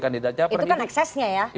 kandidat capri itu kan eksesnya ya